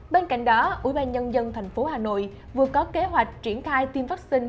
bên cạnh đó ủy ban nhân dân thành phố hà nội vừa có kế hoạch triển khai tiêm vaccine